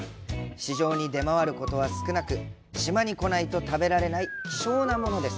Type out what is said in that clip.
市場に出回ることは少なく島に来ないと食べられない希少なものです。